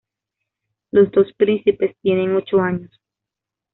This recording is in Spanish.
Los dos príncipes tienen ocho años.